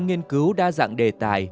nghiên cứu đa dạng đề tài